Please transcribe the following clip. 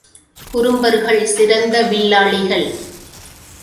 குறும்பர்கள் சிறந்த வில்லாளிகள்.